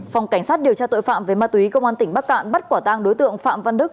phòng cảnh sát điều tra tội phạm về ma túy công an tỉnh bắc cạn bắt quả tang đối tượng phạm văn đức